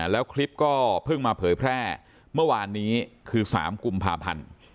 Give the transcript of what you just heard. แล้วคลิปก็เพิ่งมาเผยแพร่เมื่อวานนี้คือ๓กุมภาพันธ์